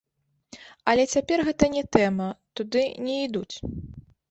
Але цяпер гэта не тэма, туды не ідуць.